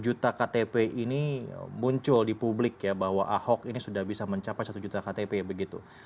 dua puluh juta ktp ini muncul di publik ya bahwa ahok ini sudah bisa mencapai satu juta ktp begitu